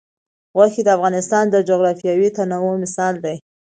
غوښې د افغانستان د جغرافیوي تنوع مثال دی.